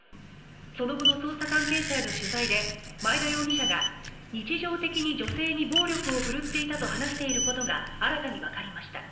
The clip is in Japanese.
その後の捜査関係者への取材で前田容疑者が日常的に女性に暴力を振るっていたと話していることが新たにわかりました。